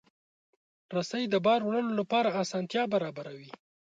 رسۍ د بار وړلو لپاره اسانتیا برابروي.